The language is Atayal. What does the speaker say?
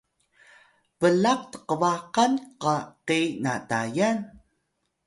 blaq tqbaqan qa ke na Tayal?